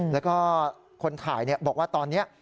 แล้วก็คนถ่ายเนี่ยบอกว่าตอนเนี่ย